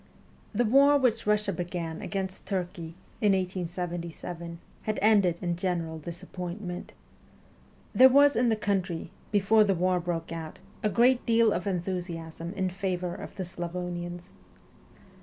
The war which Eussia began against Turkey in 1877 had ended in general disappointment. There was in the country, before the war broke out, a great deal of enthusiasm in favour of the Slavonians.